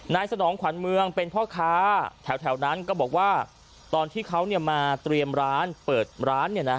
สนองขวัญเมืองเป็นพ่อค้าแถวนั้นก็บอกว่าตอนที่เขามาเตรียมร้านเปิดร้าน